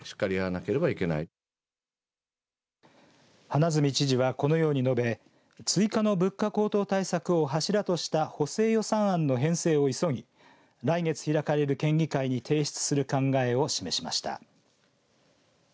花角知事は、このように述べ追加の物価高騰対策を柱とした補正予算案の編成を急ぎ来月開かれる県議会に提出する考えを示しました。